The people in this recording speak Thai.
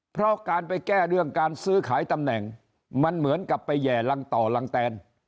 เพราะการไปแก้เรื่องการซื้อขายตำแหน่งมันเหมือนกับไปแห่รังต่อลังแตน